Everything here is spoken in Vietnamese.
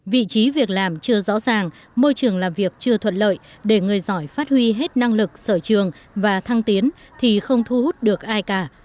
vị trí việc làm chưa rõ ràng môi trường làm việc chưa thuận lợi để người giỏi phát huy hết năng lực sở trường và thăng tiến thì không thu hút được ai cả